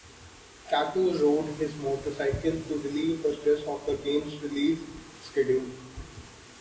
Kato rode his motorcycle to relieve the stress of the game's release schedule.